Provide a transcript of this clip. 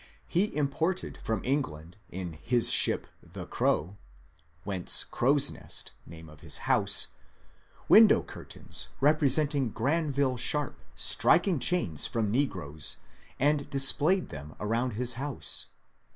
He imported from England in his ship The Crow (whence " Crow's Nest," name of his house) window curtains representing Granville Sharp striking chains from negroes, and displayed them around his house.